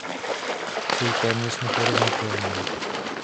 Jsou téměř neporovnatelné.